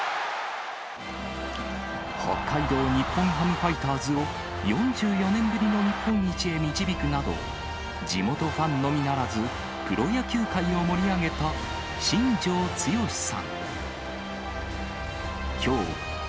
北海道日本ハムファイターズを、４４年ぶりの日本一へ導くなど、地元ファンのみならず、プロ野球界を盛り上げた新庄剛志さん。